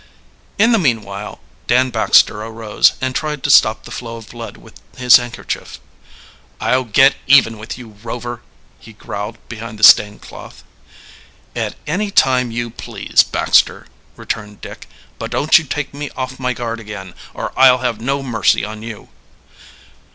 In the meanwhile Dan Baxter arose, and tried to stop the flow of blood with his handkerchief. "I'll get even with you, Rover!" he growled behind the stained cloth. "At any time you please, Baxter," returned Dick. "But don't you take me off my guard again, or I'll have no mercy on you."